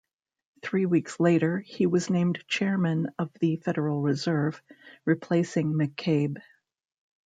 Three weeks later, he was named Chairman of the Federal Reserve, replacing McCabe.